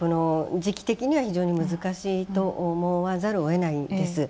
時期的には難しいと思わざるをえないです。